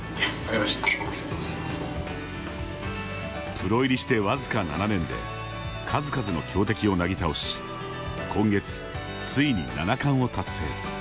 プロ入りして僅か７年で数々の強敵をなぎ倒し今月、ついに７冠を達成。